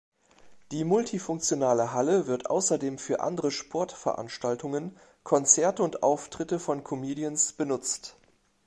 Die multifunktionale Halle wird außerdem für andere Sportveranstaltungen, Konzerte und Auftritte von Comedians benutzt.